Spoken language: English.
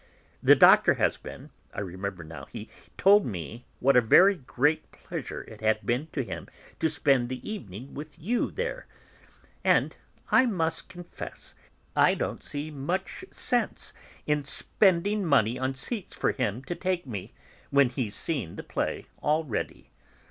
The Doctor has been (I remember now, he told me what a very great pleasure it had been to him to spend the evening with you there) and I must confess, I don't see much sense in spending money on seats for him to take me, when he's seen the play already.